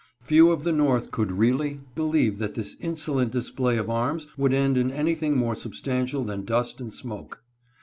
Few of the North could really believe that this insolent display of arms would end in anything more substantial than dust and smoke.